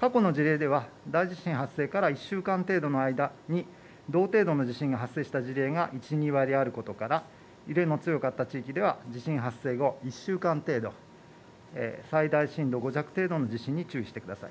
過去の事例では大地震発生から１週間程度の間に同程度の地震が発生した事例が１、２割あることから揺れの強かった地域では地震発生後１週間程度、最大震度５弱程度の地震に注意してください。